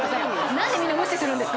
何でみんな無視するんですか？